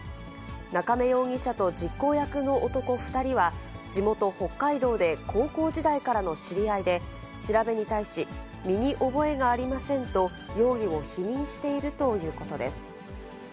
中明容疑者と実行役の男２人は、地元、北海道で高校時代からの知り合いで、調べに対し、身に覚えがありませんと、容疑を否認しているということです。